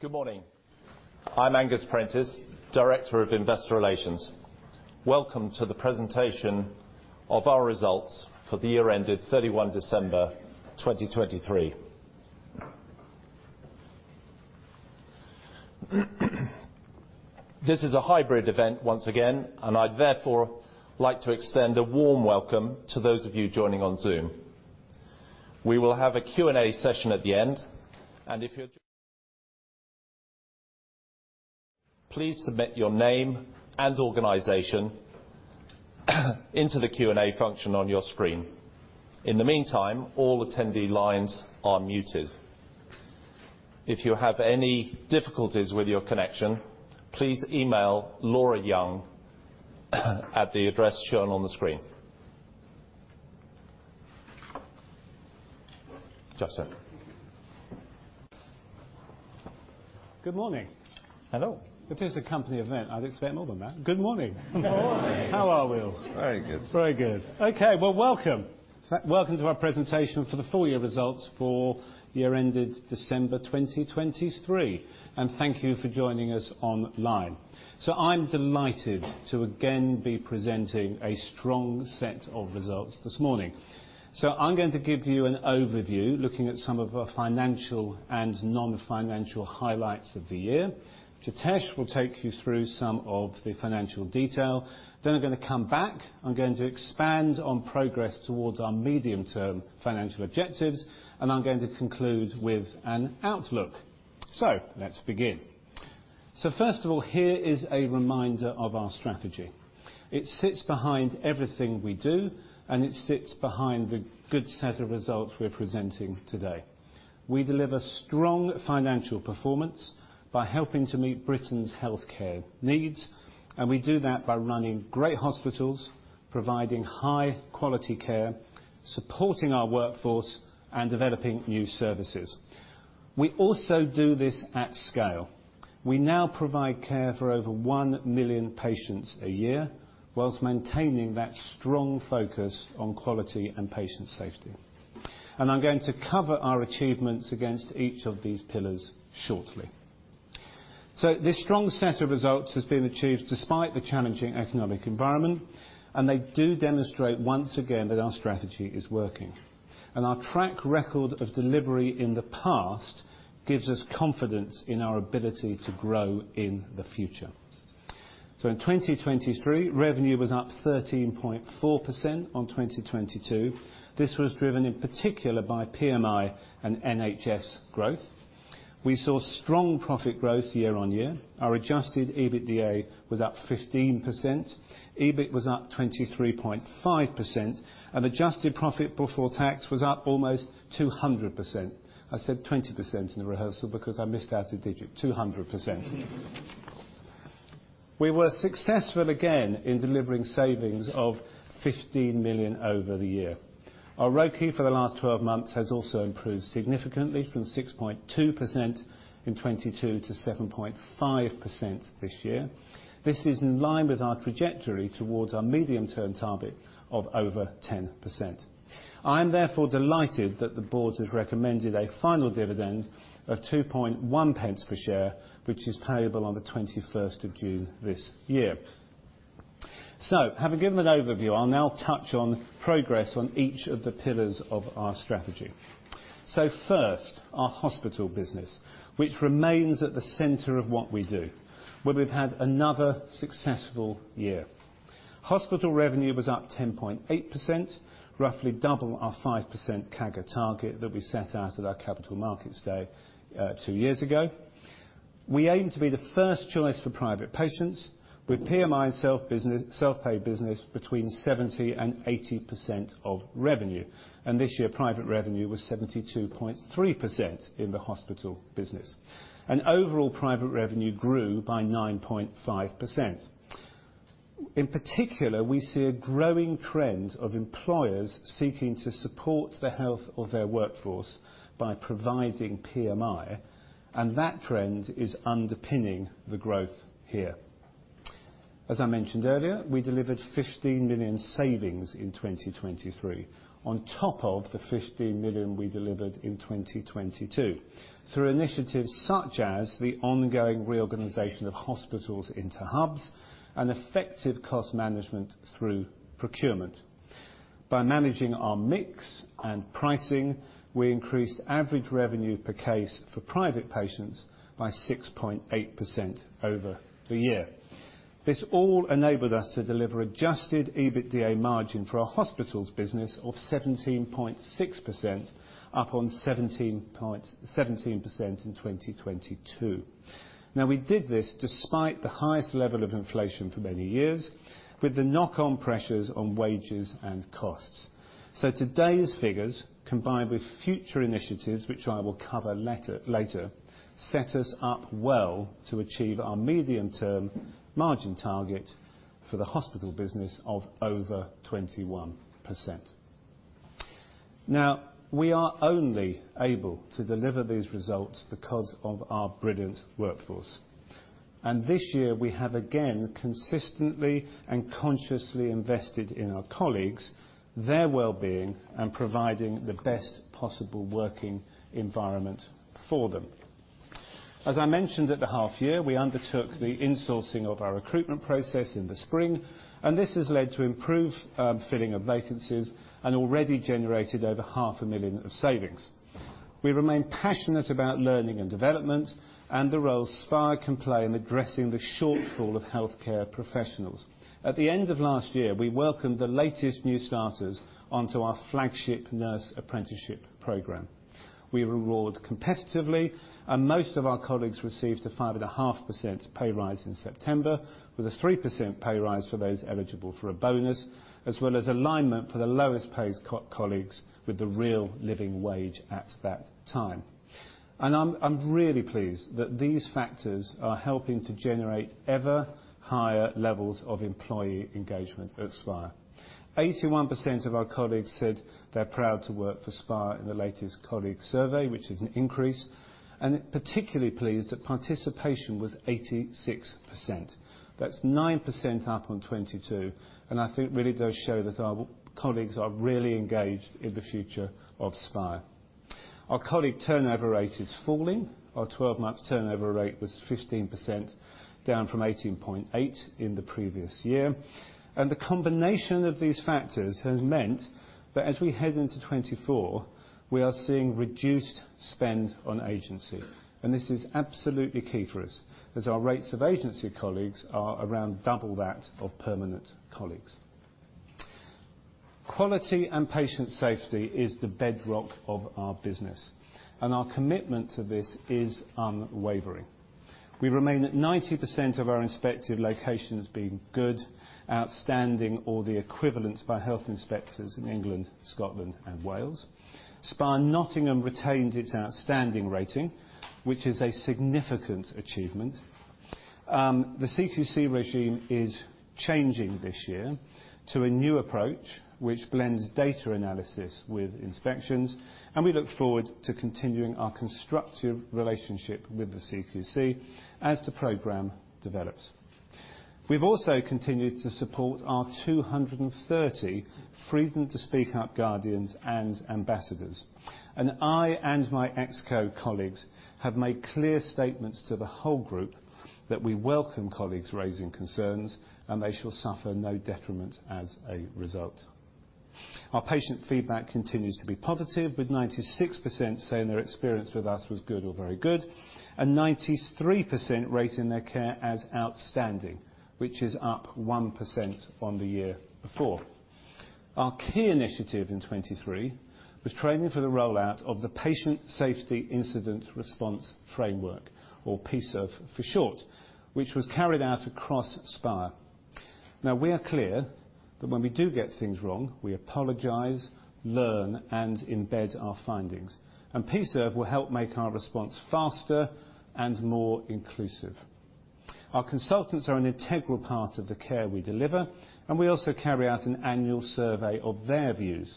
Good morning. I'm Angus Prentice, Director of Investor Relations. Welcome to the presentation of our results for the year-ended 31 December 2023. This is a hybrid event once again, and I'd therefore like to extend a warm welcome to those of you joining on Zoom. We will have a Q&A session at the end, and if you're joining, please submit your name and organisation into the Q&A function on your screen. In the meantime, all attendee lines are muted. If you have any difficulties with your connection, please email Laura Young at the address shown on the screen. Justin. Good morning. Hello. It is a company event. I'd expect more than that. Good morning. Good morning. How are we all? Very good. Very good. Okay, well, welcome. Welcome to our presentation for the full year results for year-ended December 2023, and thank you for joining us online. I'm delighted to again be presenting a strong set of results this morning. I'm going to give you an overview looking at some of our financial and non-financial highlights of the year. Jitesh will take you through some of the financial detail. I'm going to come back. I'm going to expand on progress towards our medium-term financial objectives, and I'm going to conclude with an outlook. Let's begin. First of all, here is a reminder of our strategy. It sits behind everything we do, and it sits behind the good set of results we're presenting today. We deliver strong financial performance by helping to meet Britain's healthcare needs, and we do that by running great hospitals, providing high-quality care, supporting our workforce, and developing new services. We also do this at scale. We now provide care for over 1 million patients a year while maintaining that strong focus on quality and patient safety. I'm going to cover our achievements against each of these pillars shortly. This strong set of results has been achieved despite the challenging economic environment, and they do demonstrate once again that our strategy is working. Our track record of delivery in the past gives us confidence in our ability to grow in the future. So in 2023, revenue was up 13.4% on 2022. This was driven in particular by PMI and NHS growth. We saw strong profit growth year-over-year. Our Adjusted EBITDA was up 15%. EBIT was up 23.5%, and adjusted profit before tax was up almost 200%. I said 20% in the rehearsal because I missed out a digit. 200%. We were successful again in delivering savings of 15 million over the year. Our ROCE for the last 12 months has also improved significantly from 6.2% in 2022 to 7.5% this year. This is in line with our trajectory towards our medium-term target of over 10%. I'm therefore delighted that the board has recommended a final dividend of 2.1p per share, which is payable on the 21st of June this year. Having given an overview, I'll now touch on progress on each of the pillars of our strategy. First, our hospital business, which remains at the center of what we do, where we've had another successful year. Hospital revenue was up 10.8%, roughly double our 5% CAGR target that we set out at our Capital Markets Day two years ago. We aim to be the first choice for private patients with PMI and self-pay business between 70% and 80% of revenue. This year, private revenue was 72.3% in the hospital business. Overall private revenue grew by 9.5%. In particular, we see a growing trend of employers seeking to support the health of their workforce by providing PMI, and that trend is underpinning the growth here. As I mentioned earlier, we delivered 15 million savings in 2023 on top of the 15 million we delivered in 2022 through initiatives such as the ongoing reorganization of hospitals into hubs and effective cost management through procurement. By managing our mix and pricing, we increased average revenue per case for private patients by 6.8% over the year. This all enabled us to deliver Adjusted EBITDA margin for our hospitals business of 17.6%, up on 17.17% in 2022. Now, we did this despite the highest level of inflation for many years, with the knock-on pressures on wages and costs. So today's figures, combined with future initiatives which I will cover later, set us up well to achieve our medium-term margin target for the hospital business of over 21%. Now, we are only able to deliver these results because of our brilliant workforce. And this year, we have again consistently and consciously invested in our colleagues, their well-being, and providing the best possible working environment for them. As I mentioned at the half-year, we undertook the insourcing of our recruitment process in the spring, and this has led to improved filling of vacancies and already generated over 500,000 of savings. We remain passionate about learning and development, and the roles Spire can play in addressing the shortfall of healthcare professionals. At the end of last year, we welcomed the latest new starters onto our flagship nurse apprenticeship program. We reward competitively, and most of our colleagues received a 5.5% pay rise in September, with a 3% pay rise for those eligible for a bonus, as well as alignment for the lowest-paid colleagues with the real living wage at that time. I'm really pleased that these factors are helping to generate ever higher levels of employee engagement at Spire. 81% of our colleagues said they're proud to work for Spire in the latest colleague survey, which is an increase, and particularly pleased that participation was 86%. That's 9% up on 2022, and I think really does show that our colleagues are really engaged in the future of Spire. Our colleague turnover rate is falling. Our 12-month turnover rate was 15%, down from 18.8% in the previous year. And the combination of these factors has meant that as we head into 2024, we are seeing reduced spend on agency, and this is absolutely key for us as our rates of agency colleagues are around double that of permanent colleagues. Quality and patient safety is the bedrock of our business, and our commitment to this is unwavering. We remain at 90% of our inspected locations being good, outstanding, or the equivalent by health inspectors in England, Scotland, and Wales. Spire Nottingham retained its outstanding rating, which is a significant achievement. The CQC regime is changing this year to a new approach which blends data analysis with inspections, and we look forward to continuing our constructive relationship with the CQC as the program develops. We've also continued to support our 230 Freedom to Speak Up Guardians and ambassadors. I and my executive colleagues have made clear statements to the whole group that we welcome colleagues raising concerns, and they shall suffer no detriment as a result. Our patient feedback continues to be positive, with 96% saying their experience with us was good or very good, and 93% rating their care as outstanding, which is up 1% on the year before. Our key initiative in 2023 was training for the rollout of the Patient Safety Incident Response Framework, or PSIRF for short, which was carried out across Spire. Now, we are clear that when we do get things wrong, we apologize, learn, and embed our findings. PSIRF will help make our response faster and more inclusive. Our consultants are an integral part of the care we deliver, and we also carry out an annual survey of their views.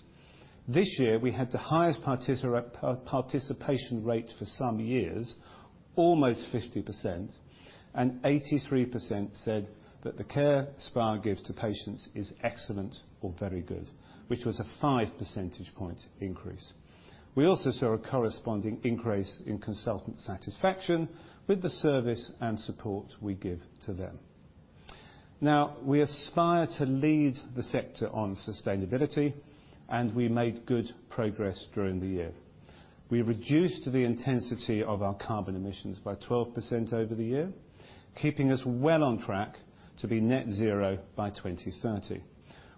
This year, we had the highest participation rate for some years, almost 50%, and 83% said that the care Spire gives to patients is excellent or very good, which was a 5 percentage point increase. We also saw a corresponding increase in consultant satisfaction with the service and support we give to them. Now, we aspire to lead the sector on sustainability, and we made good progress during the year. We reduced the intensity of our carbon emissions by 12% over the year, keeping us well on track to be net-zero by 2030.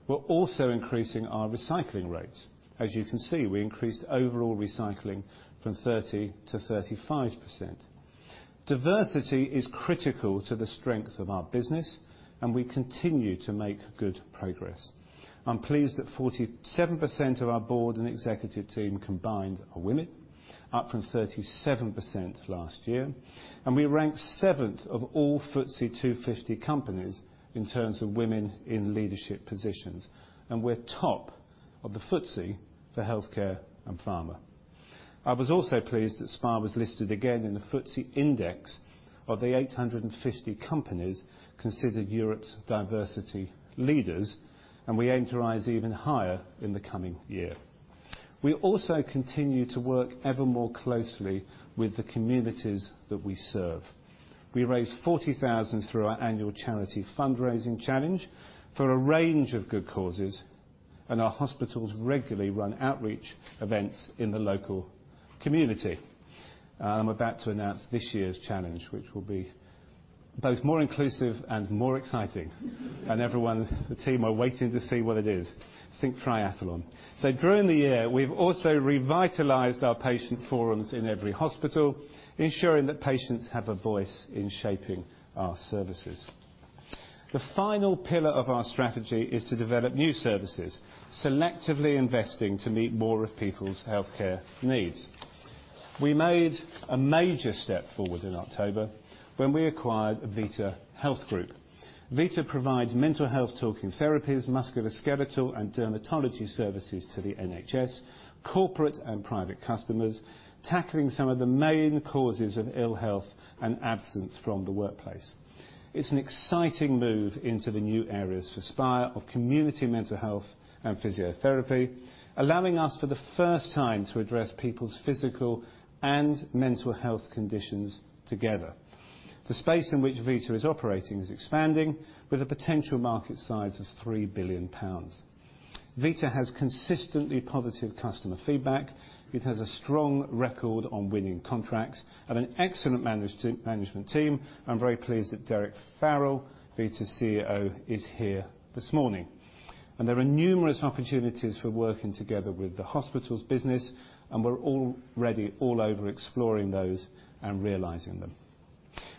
We're also increasing our recycling rates. As you can see, we increased overall recycling from 30%-35%. Diversity is critical to the strength of our business, and we continue to make good progress. I'm pleased that 47% of our board and executive team combined are women, up from 37% last year. We rank seventh of all FTSE 250 companies in terms of women in leadership positions, and we're top of the FTSE for healthcare and pharma. I was also pleased that Spire was listed again in the FTSE index of the 850 companies considered Europe's diversity leaders, and we aim to rise even higher in the coming year. We also continue to work ever more closely with the communities that we serve. We raise 40,000 through our annual charity fundraising challenge for a range of good causes, and our hospitals regularly run outreach events in the local community. I'm about to announce this year's challenge, which will be both more inclusive and more exciting, and everyone in the team are waiting to see what it is. Think triathlon. So during the year, we've also revitalized our patient forums in every hospital, ensuring that patients have a voice in shaping our services. The final pillar of our strategy is to develop new services, selectively investing to meet more of people's healthcare needs. We made a major step forward in October when we acquired Vita Health Group. Vita provides mental health talking therapies, musculoskeletal, and dermatology services to the NHS, corporate and private customers, tackling some of the main causes of ill health and absence from the workplace. It's an exciting move into the new areas for Spire of community mental health and physiotherapy, allowing us for the first time to address people's physical and mental health conditions together. The space in which Vita is operating is expanding, with a potential market size of 3 billion pounds. Vita has consistently positive customer feedback. It has a strong record on winning contracts and an excellent management team. I'm very pleased that Derrick Farrell, Vita's CEO, is here this morning. There are numerous opportunities for working together with the hospitals business, and we're already all over exploring those and realizing them.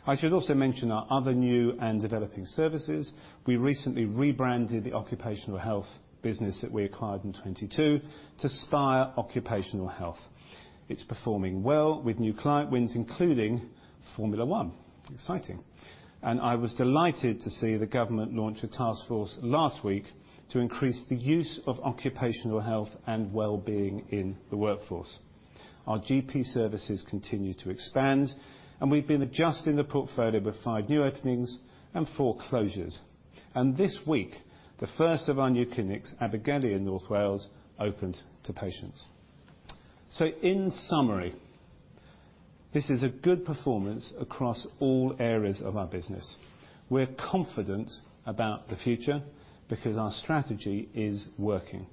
I should also mention our other new and developing services. We recently rebranded the occupational health business that we acquired in 2022 to Spire Occupational Health. It's performing well with new client wins, including Formula One. Exciting. I was delighted to see the government launch a task force last week to increase the use of occupational health and well-being in the workforce. Our GP services continue to expand, and we've been adjusting the portfolio with five new openings and four closures. This week, the first of our new clinics, Abergele in North Wales, opened to patients. So in summary, this is a good performance across all areas of our business. We're confident about the future because our strategy is working.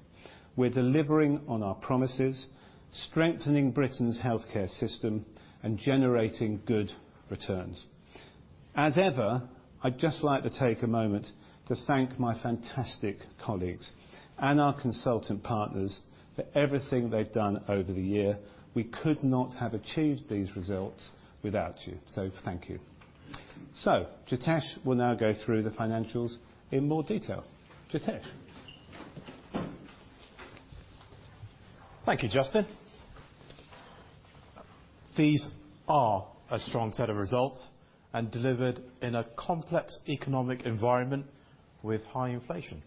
We're delivering on our promises, strengthening Britain's healthcare system, and generating good returns. As ever, I'd just like to take a moment to thank my fantastic colleagues and our consultant partners for everything they've done over the year. We could not have achieved these results without you, so thank you. So Jitesh will now go through the financials in more detail. Jitesh. Thank you, Justin. These are a strong set of results and delivered in a complex economic environment with high inflation.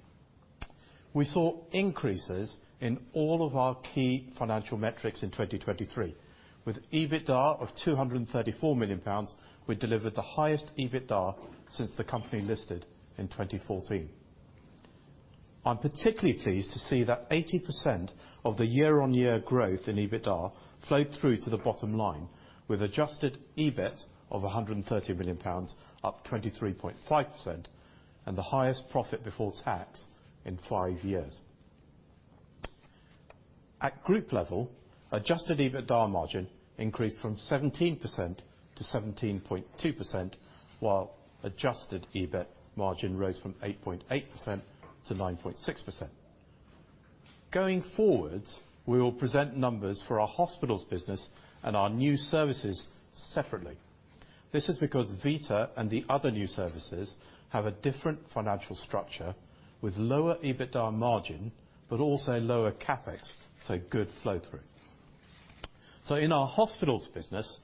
We saw increases in all of our key financial metrics in 2023. With EBITDA of 234 million pounds, we delivered the highest EBITDA since the company listed in 2014. I'm particularly pleased to see that 80% of the year-on-year growth in EBITDA flowed through to the bottom line, with Adjusted EBIT of 130 million pounds, up 23.5%, and the highest profit before tax in five years. At group level, Adjusted EBITDA margin increased from 17% to 17.2%, while Adjusted EBIT margin rose from 8.8% to 9.6%. Going forward, we will present numbers for our hospitals business and our new services separately. This is because Vita and the other new services have a different financial structure, with lower EBITDA margin but also lower CapEx, so good flow-through. So in our hospitals business,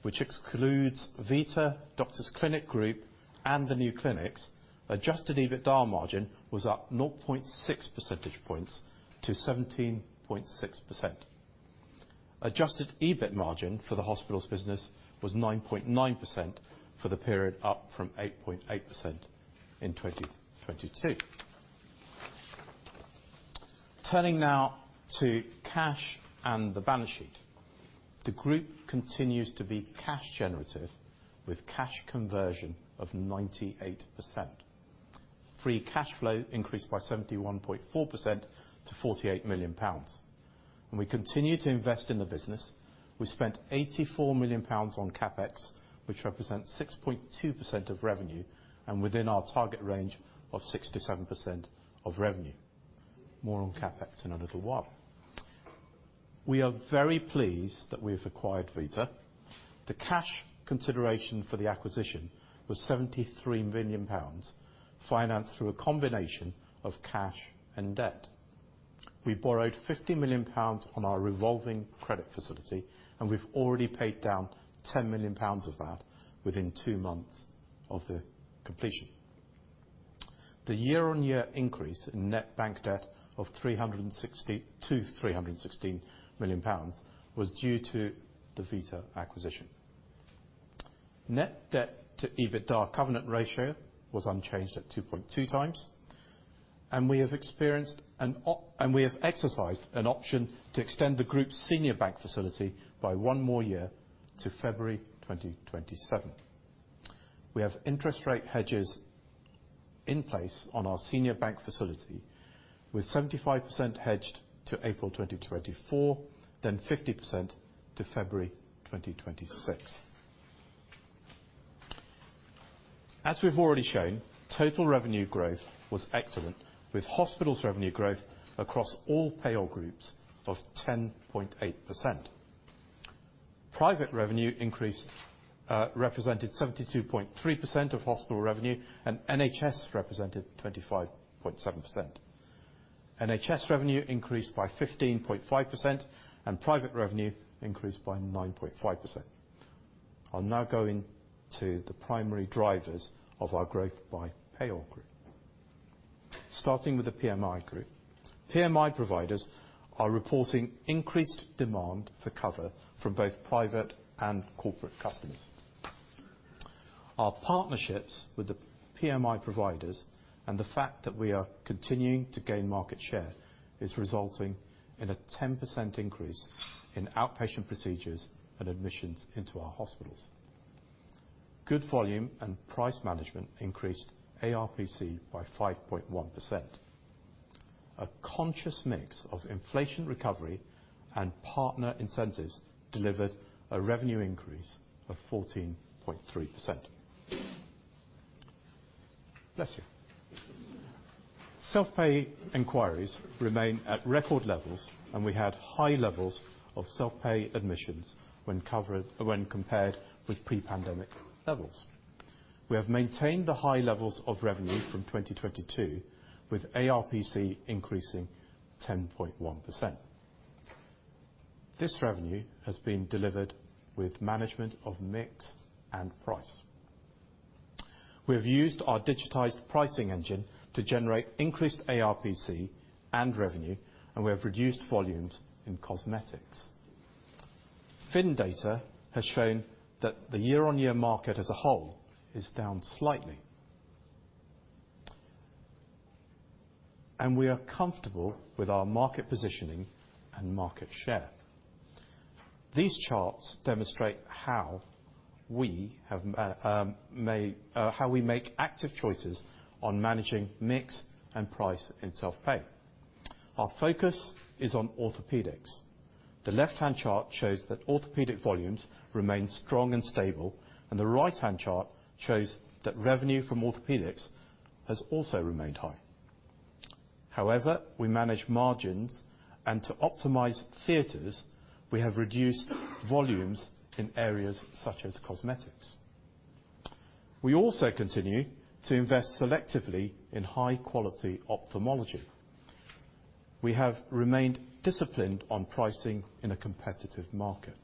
which excludes Vita, Doctors Clinic Group, and the new clinics, Adjusted EBITDA margin was up 0.6 percentage points to 17.6%. Adjusted EBIT margin for the hospitals business was 9.9% for the period, up from 8.8% in 2022. Turning now to cash and the balance sheet. The group continues to be cash-generative, with cash conversion of 98%. Free cash flow increased by 71.4% to 48 million pounds. We continue to invest in the business. We spent 84 million pounds on CapEx, which represents 6.2% of revenue and within our target range of 67% of revenue. More on CapEx in a little while. We are very pleased that we have acquired Vita. The cash consideration for the acquisition was 73 million pounds, financed through a combination of cash and debt. We borrowed 50 million pounds on our revolving credit facility, and we've already paid down 10 million pounds of that within two months of the completion. The year-on-year increase in net bank debt of 316 million pounds was due to the Vita acquisition. Net Debt-to-EBITDA covenant ratio was unchanged at 2.2x, and we have exercised an option to extend the group's senior bank facility by one more year to February 2027. We have interest rate hedges in place on our senior bank facility, with 75% hedged to April 2024, then 50% to February 2026. As we've already shown, total revenue growth was excellent, with hospitals revenue growth across all payor groups of 10.8%. Private revenue increased represented 72.3% of hospital revenue, and NHS represented 25.7%. NHS revenue increased by 15.5%, and private revenue increased by 9.5%. I'll now go into the primary drivers of our growth by payor group. Starting with the PMI group. PMI providers are reporting increased demand for cover from both private and corporate customers. Our partnerships with the PMI providers and the fact that we are continuing to gain market share is resulting in a 10% increase in outpatient procedures and admissions into our hospitals. Good volume and price management increased ARPC by 5.1%. A conscious mix of inflation recovery and partner incentives delivered a revenue increase of 14.3%. Bless you. Self-pay inquiries remain at record levels, and we had high levels of self-pay admissions when compared with pre-pandemic levels. We have maintained the high levels of revenue from 2022, with ARPC increasing 10.1%. This revenue has been delivered with management of mix and price. We have used our digitized pricing engine to generate increased ARPC and revenue, and we have reduced volumes in cosmetics. PHIN data has shown that the year-on-year market as a whole is down slightly, and we are comfortable with our market positioning and market share. These charts demonstrate how we make active choices on managing mix and price in self-pay. Our focus is on orthopedics. The left-hand chart shows that orthopedic volumes remain strong and stable, and the right-hand chart shows that revenue from orthopedics has also remained high. However, we manage margins, and to optimize theaters, we have reduced volumes in areas such as cosmetics. We also continue to invest selectively in high-quality ophthalmology. We have remained disciplined on pricing in a competitive market.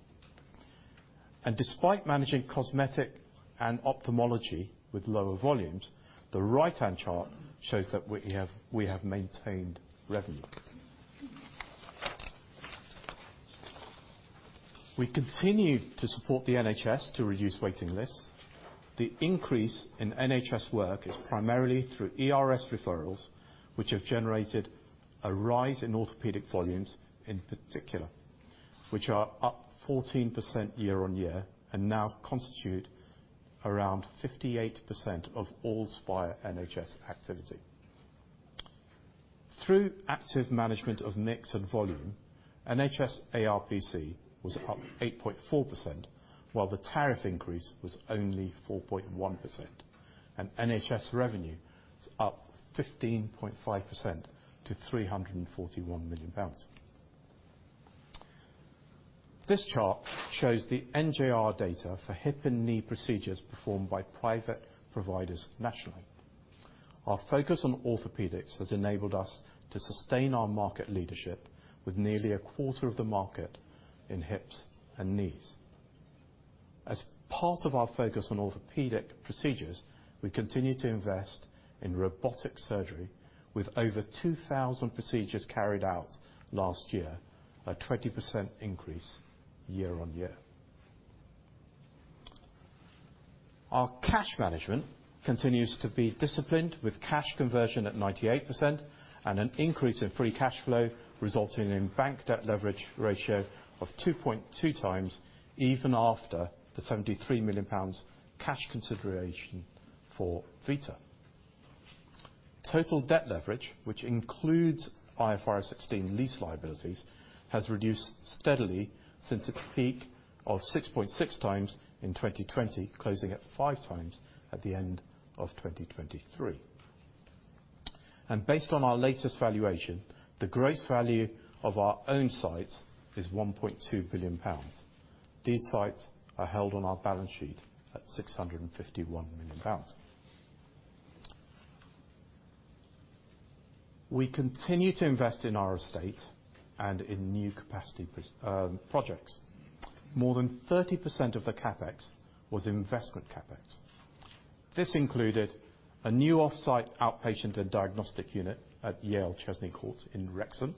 Despite managing cosmetic and ophthalmology with lower volumes, the right-hand chart shows that we have maintained revenue. We continue to support the NHS to reduce waiting lists. The increase in NHS work is primarily through ERS referrals, which have generated a rise in orthopedic volumes in particular, which are up 14% year-over-year and now constitute around 58% of all Spire NHS activity. Through active management of mix and volume, NHS ARPC was up 8.4%, while the tariff increase was only 4.1%, and NHS revenue is up 15.5% to GBP 341 million. This chart shows the NJR data for hip and knee procedures performed by private providers nationally. Our focus on orthopedics has enabled us to sustain our market leadership with nearly a quarter of the market in hips and knees. As part of our focus on orthopedic procedures, we continue to invest in robotic surgery, with over 2,000 procedures carried out last year, a 20% increase year-on-year. Our cash management continues to be disciplined, with cash conversion at 98% and an increase in free cash flow resulting in a bank debt leverage ratio of 2.2x even after the 73 million pounds cash consideration for Vita. Total debt leverage, which includes IFRS 16 lease liabilities, has reduced steadily since its peak of 6.6x in 2020, closing at 5x at the end of 2023. Based on our latest valuation, the gross value of our own sites is 1.2 billion pounds. These sites are held on our balance sheet at 651 million pounds. We continue to invest in our estate and in new capacity projects. More than 30% of the CapEx was investment CapEx. This included a new off-site outpatient and diagnostic unit at Yale Chesney Court in Wrexham,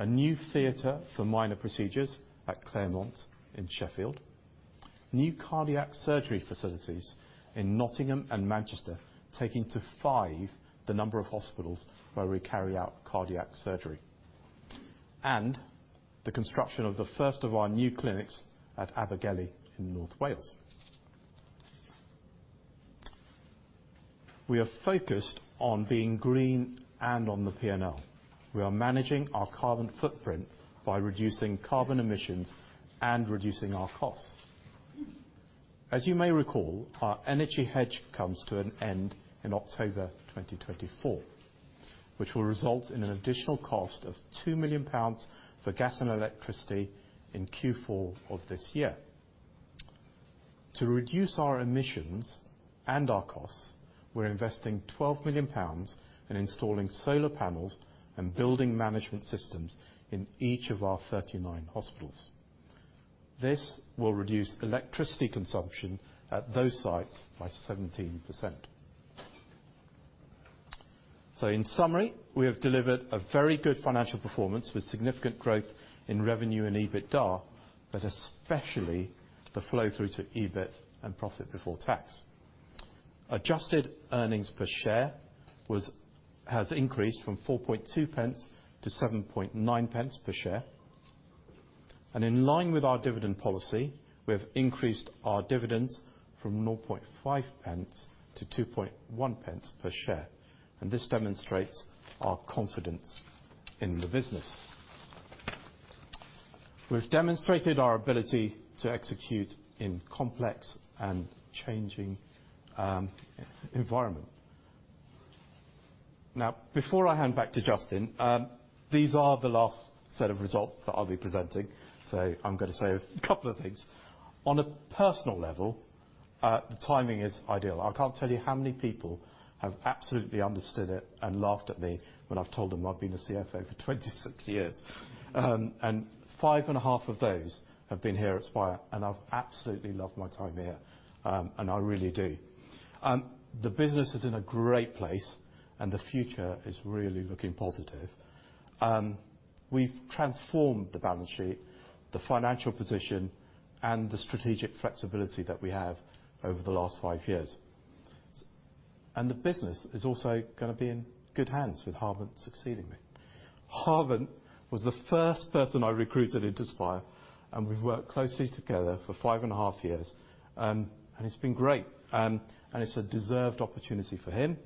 a new theatre for minor procedures at Claremont in Sheffield, new cardiac surgery facilities in Nottingham and Manchester, taking to five the number of hospitals where we carry out cardiac surgery, and the construction of the first of our new clinics at Abergele in North Wales. We are focused on being green and on the PNL. We are managing our carbon footprint by reducing carbon emissions and reducing our costs. As you may recall, our energy hedge comes to an end in October 2024, which will result in an additional cost of 2 million pounds for gas and electricity in Q4 of this year. To reduce our emissions and our costs, we're investing 12 million pounds in installing solar panels and building management systems in each of our 39 hospitals. This will reduce electricity consumption at those sites by 17%. So in summary, we have delivered a very good financial performance with significant growth in revenue and EBITDA, but especially the flow-through to EBIT and profit before tax. Adjusted earnings per share has increased from 4.2p-7.9p per share. And in line with our dividend policy, we have increased our dividends from 0.5p-2.1p per share. And this demonstrates our confidence in the business. We've demonstrated our ability to execute in complex and changing environments. Now, before I hand back to Justin, these are the last set of results that I'll be presenting. So I'm going to say a couple of things. On a personal level, the timing is ideal. I can't tell you how many people have absolutely understood it and laughed at me when I've told them I've been a CFO for 26 years. And 5.5 of those have been here at Spire, and I've absolutely loved my time here, and I really do. The business is in a great place, and the future is really looking positive. We've transformed the balance sheet, the financial position, and the strategic flexibility that we have over the last 5 years. The business is also going to be in good hands with Harbant succeeding me. Harbant was the first person I recruited into Spire, and we've worked closely together for 5.5 years. It's been great. It's a deserved opportunity for him,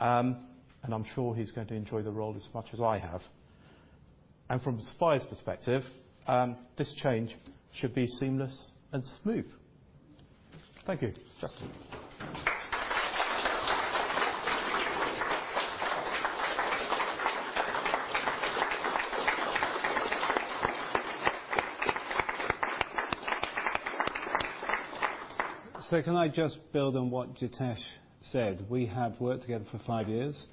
and I'm sure he's going to enjoy the role as much as I have. From Spire's perspective, this change should be seamless and smooth. Thank you, Justin. Can I just build on what Jitesh said? We have worked together for five years.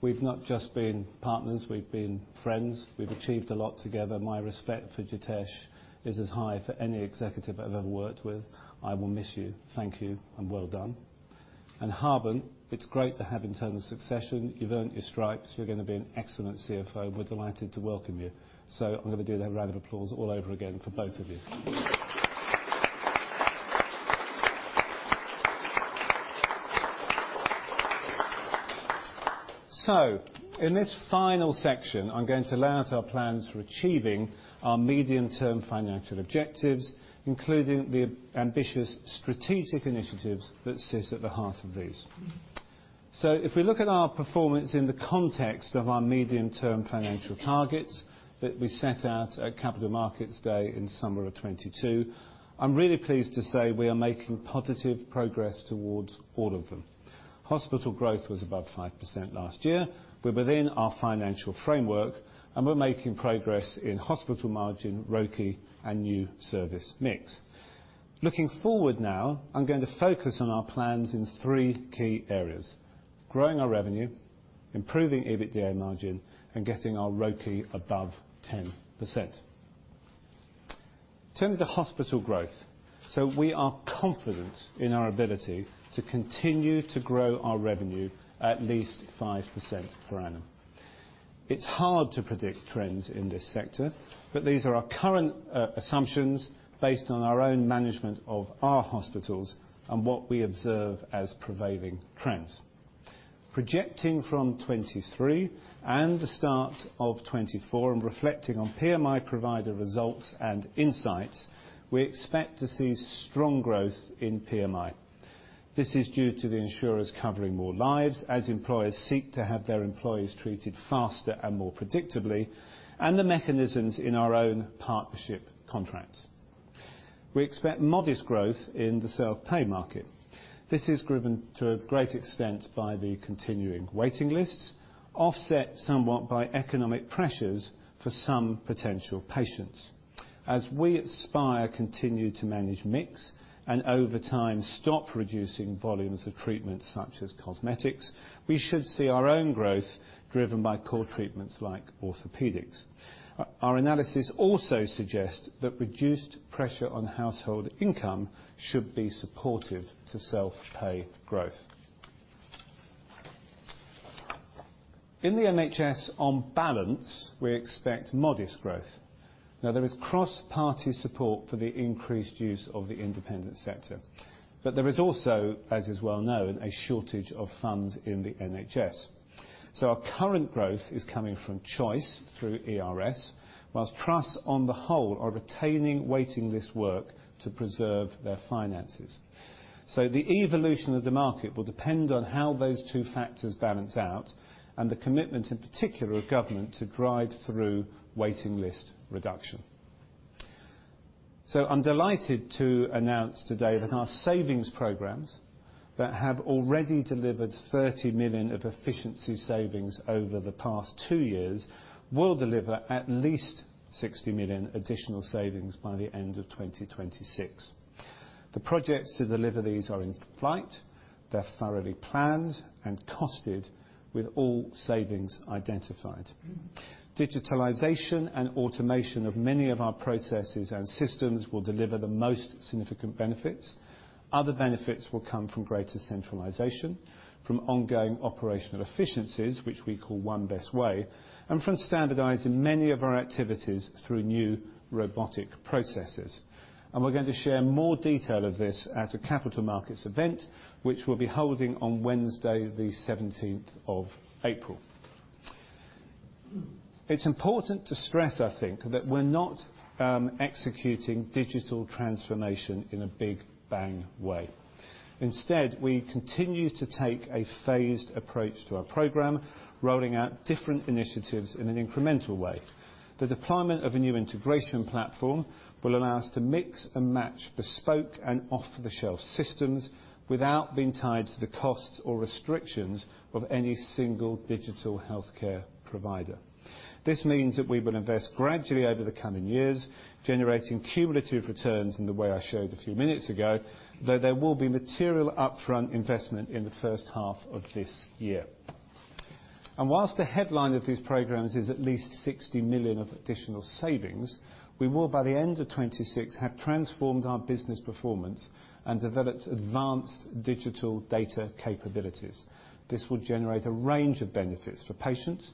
We've not just been partners. We've been friends. We've achieved a lot together. My respect for Jitesh is as high for any executive I've ever worked with. I will miss you. Thank you, and well done. Harbant, it's great to have internal succession. You've earned your stripes. You're going to be an excellent CFO. We're delighted to welcome you. So I'm going to do that round of applause all over again for both of you. So in this final section, I'm going to lay out our plans for achieving our medium-term financial objectives, including the ambitious strategic initiatives that sit at the heart of these. So if we look at our performance in the context of our medium-term financial targets that we set out at Capital Markets Day in summer of 2022, I'm really pleased to say we are making positive progress towards all of them. Hospital growth was above 5% last year. We're within our financial framework, and we're making progress in hospital margin, ROCE, and new service mix. Looking forward now, I'm going to focus on our plans in three key areas: growing our revenue, improving EBITDA margin, and getting our ROCE above 10%. In terms of hospital growth, so we are confident in our ability to continue to grow our revenue at least 5% per annum. It's hard to predict trends in this sector, but these are our current assumptions based on our own management of our hospitals and what we observe as pervading trends. Projecting from 2023 and the start of 2024 and reflecting on PMI provider results and insights, we expect to see strong growth in PMI. This is due to the insurers covering more lives as employers seek to have their employees treated faster and more predictably, and the mechanisms in our own partnership contracts. We expect modest growth in the self-pay market. This is driven to a great extent by the continuing waiting lists, offset somewhat by economic pressures for some potential patients. As we at Spire continue to manage mix and over time stop reducing volumes of treatments such as cosmetics, we should see our own growth driven by core treatments like orthopedics. Our analysis also suggests that reduced pressure on household income should be supportive to self-pay growth. In the NHS on balance, we expect modest growth. Now, there is cross-party support for the increased use of the independent sector, but there is also, as is well known, a shortage of funds in the NHS. So our current growth is coming from choice through ERS, while trusts on the whole are retaining waiting list work to preserve their finances. So the evolution of the market will depend on how those two factors balance out and the commitment in particular of government to drive through waiting list reduction. So I'm delighted to announce today that our savings programs that have already delivered 30 million of efficiency savings over the past two years will deliver at least 60 million additional savings by the end of 2026. The projects to deliver these are in flight. They're thoroughly planned and costed with all savings identified. Digitalization and automation of many of our processes and systems will deliver the most significant benefits. Other benefits will come from greater centralization, from ongoing operational efficiencies, which we call One Best Way, and from standardizing many of our activities through new robotic processes. And we're going to share more detail of this at a Capital Markets event, which we'll be holding on Wednesday, the 17th of April. It's important to stress, I think, that we're not executing digital transformation in a big bang way. Instead, we continue to take a phased approach to our program, rolling out different initiatives in an incremental way. The deployment of a new integration platform will allow us to mix and match bespoke and off-the-shelf systems without being tied to the costs or restrictions of any single digital healthcare provider. This means that we will invest gradually over the coming years, generating cumulative returns in the way I showed a few minutes ago, though there will be material upfront investment in the first half of this year. And while the headline of these programs is at least 60 million of additional savings, we will, by the end of 2026, have transformed our business performance and developed advanced digital data capabilities. This will generate a range of benefits for patients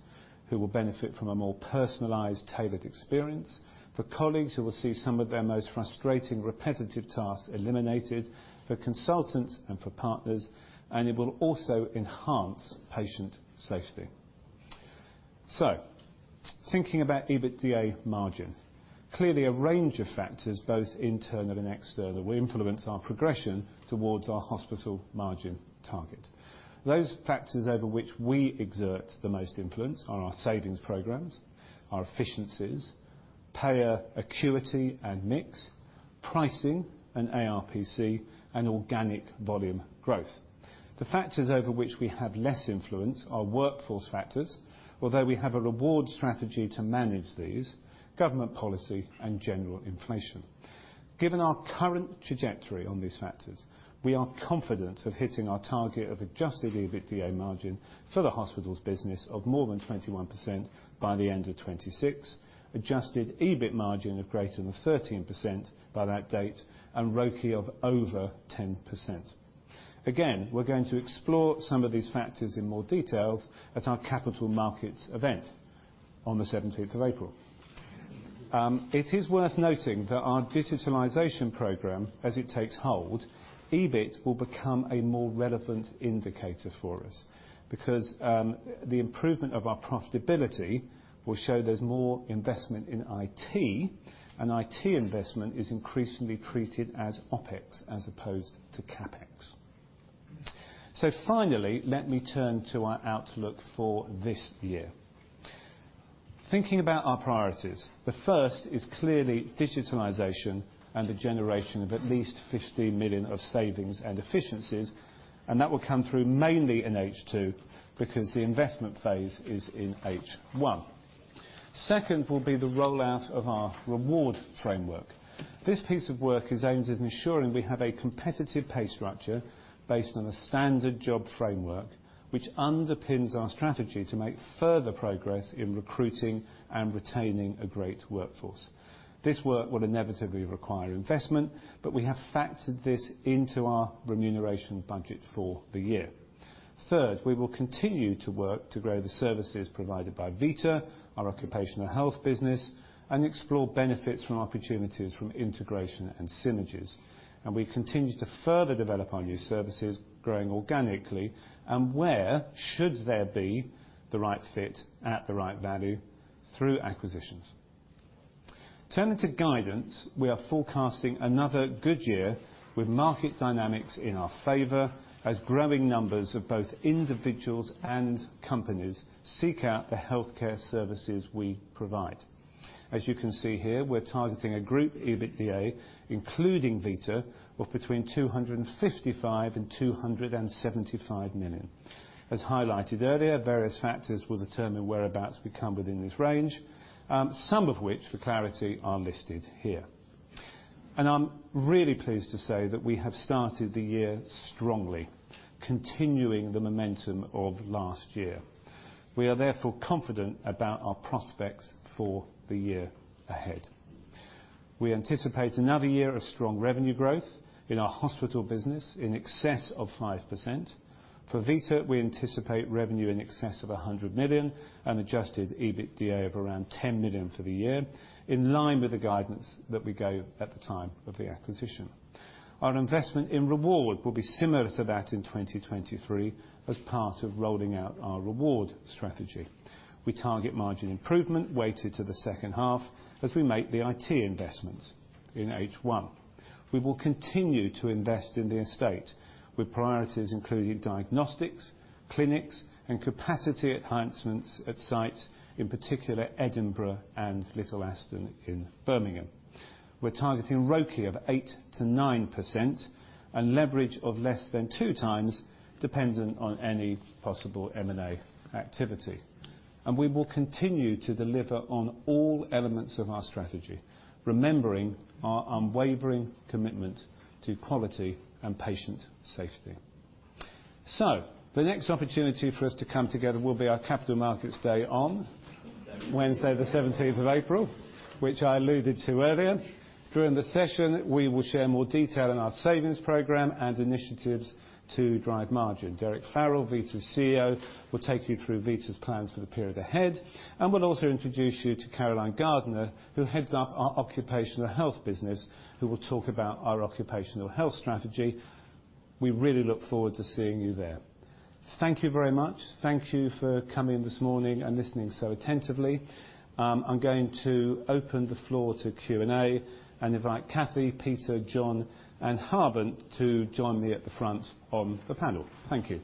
who will benefit from a more personalized, tailored experience, for colleagues who will see some of their most frustrating, repetitive tasks eliminated, for consultants and for partners, and it will also enhance patient safety. So thinking about EBITDA margin, clearly a range of factors, both internal and external, will influence our progression towards our hospital margin target. Those factors over which we exert the most influence are our savings programs, our efficiencies, payer acuity and mix, pricing and ARPC, and organic volume growth. The factors over which we have less influence are workforce factors, although we have a reward strategy to manage these, government policy, and general inflation. Given our current trajectory on these factors, we are confident of hitting our target of Adjusted EBITDA margin for the hospital's business of more than 21% by the end of 2026, Adjusted EBIT margin of greater than 13% by that date, and ROCE of over 10%. Again, we're going to explore some of these factors in more detail at our Capital Markets event on the 17th of April. It is worth noting that our digitalization program, as it takes hold, EBIT will become a more relevant indicator for us because the improvement of our profitability will show there's more investment in IT, and IT investment is increasingly treated as OpEx as opposed to CapEx. So finally, let me turn to our outlook for this year. Thinking about our priorities, the first is clearly digitalization and the generation of at least 15 million of savings and efficiencies. And that will come through mainly in H2 because the investment phase is in H1. Second will be the rollout of our reward framework. This piece of work is aimed at ensuring we have a competitive pay structure based on a standard job framework, which underpins our strategy to make further progress in recruiting and retaining a great workforce. This work will inevitably require investment, but we have factored this into our remuneration budget for the year. Third, we will continue to work to grow the services provided by VITA, our occupational health business, and explore benefits from opportunities from integration and synergies. And we continue to further develop our new services, growing organically, and where should there be the right fit at the right value through acquisitions. Turning to guidance, we are forecasting another good year with market dynamics in our favor as growing numbers of both individuals and companies seek out the healthcare services we provide. As you can see here, we're targeting a group EBITDA, including VITA, of between 255 million and 275 million. As highlighted earlier, various factors will determine whereabouts we come within this range, some of which, for clarity, are listed here. I'm really pleased to say that we have started the year strongly, continuing the momentum of last year. We are therefore confident about our prospects for the year ahead. We anticipate another year of strong revenue growth in our hospital business in excess of 5%. For VITA, we anticipate revenue in excess of 100 million and Adjusted EBITDA of around 10 million for the year, in line with the guidance that we gave at the time of the acquisition. Our investment in reward will be similar to that in 2023 as part of rolling out our reward strategy. We target margin improvement weighted to the second half as we make the IT investments in H1. We will continue to invest in the estate with priorities including diagnostics, clinics, and capacity enhancements at sites, in particular Edinburgh and Little Aston in Birmingham. We're targeting ROKI of 8%-9% and leverage of less than 2x, dependent on any possible M&A activity. And we will continue to deliver on all elements of our strategy, remembering our unwavering commitment to quality and patient safety. So the next opportunity for us to come together will be our Capital Markets Day on Wednesday, the 17th of April, which I alluded to earlier. During the session, we will share more detail in our savings programme and initiatives to drive margin. Derrick Farrell, Vita's CEO, will take you through Vita's plans for the period ahead. We'll also introduce you to Caroline Gardner, who heads up our occupational health business, who will talk about our occupational health strategy. We really look forward to seeing you there. Thank you very much. Thank you for coming this morning and listening so attentively. I'm going to open the floor to Q&A and invite Cathy, Peter, John, and Harbant to join me at the front on the panel. Thank you.